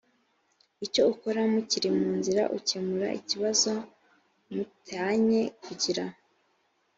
icyo ukora mukiri mu nzira ukemure ikibazo mu tanye kugira